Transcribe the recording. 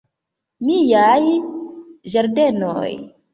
Miaj ĝardenoj!